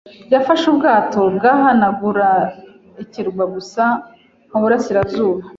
yafashe ubwato bwahanagura ikirwa gusa muburasirazuba.